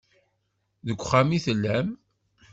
Deg uxxam i tellam.